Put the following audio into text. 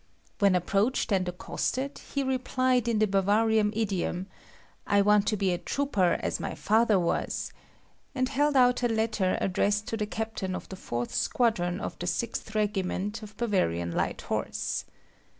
When approached and accosted, he replied in the Bavarian idiom, "I want to be a trooper as my father was," and held out a letter addressed to the captain of the fourth squadron of the sixth regiment of Bavarian Light Horse.